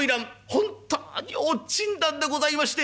本当におっ死んだんでございまして」。